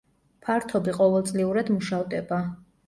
ფართობი ყოველწლიურად მუშავდება.